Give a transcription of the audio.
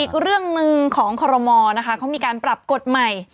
อีกเรื่องหนึ่งของคอรมอนะคะเขามีการปรับกฎใหม่